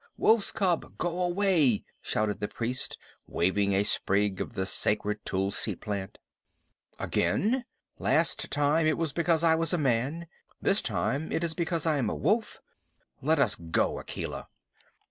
Wolf's cub! Go away!" shouted the priest, waving a sprig of the sacred tulsi plant. "Again? Last time it was because I was a man. This time it is because I am a wolf. Let us go, Akela."